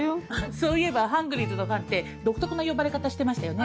そういえばハングリーズのファンって独特な呼ばれ方してましたよね。